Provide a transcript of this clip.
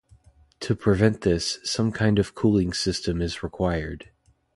To prevent this, some kind of cooling system is required.